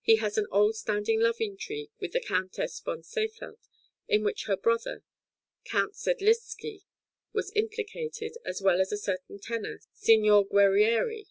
He had an old standing love intrigue with the Countess v. Seefeld, in which her brother, Count Sedlizky, was implicated, as well as a certain tenor, Signor Guerrieri.